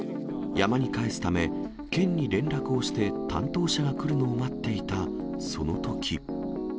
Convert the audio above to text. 県に連絡をして担当者が来るのを待っていたそのとき。